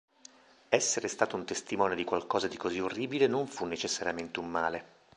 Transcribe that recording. Essere stato un testimone di qualcosa di così orribile non fu necessariamente un male.